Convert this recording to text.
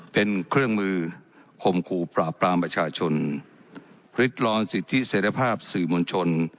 เป็นเครื่องมือข่มขู่ปราบปรามประชาชนริดร้อนสิทธิเสร็จภาพสื่อมวลชน